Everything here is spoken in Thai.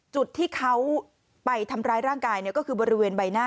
จุดที่เขาไปทำร้ายร่างกายก็คือบริเวณใบหน้า